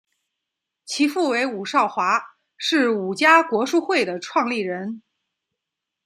其父为伍绍华是伍家国术会的创立人。